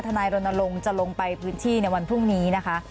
นายรณรงค์จะลงไปพื้นที่ในวันพรุ่งนี้นะคะ